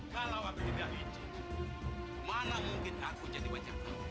kalau aku tidak licik mana mungkin aku jadi bancik